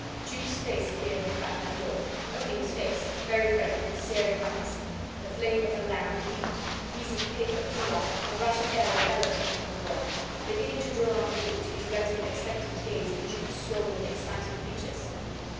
Jukes' face appeared in a crack of the door: only his face, very red, with staring eyes. The flame of the lamp leaped, a piece of paper flew up, a rush of air enveloped Captain MacWhirr. Beginning to draw on the boot, he directed an expectant gaze at Jukes' swollen, excited features.